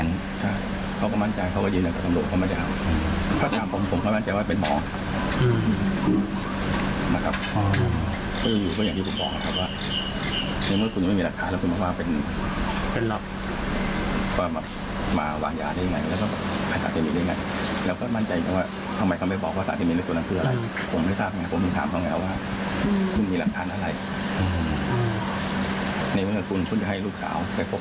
ในวันที่จะกูลคุณจะให้ลูกสาวไปพบเจ็บสาวเกียรติวิทยาวันนั้นมาพิสุทธิ์กับผม